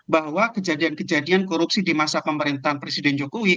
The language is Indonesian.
bahwa kejadian kejadian korupsi di masa pemerintahan presiden jokowi